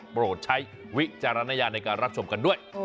โปรดใช้วิจารณญาณในการรับชมกันด้วย